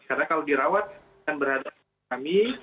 karena kalau dirawat akan berada di dalam kami